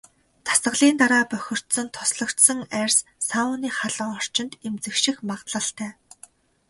Дасгалын дараа бохирдсон, тослогжсон арьс сауны халуун орчинд эмзэгших магадлалтай.